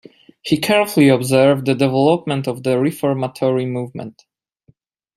He carefully observed the development of the reformatory movement.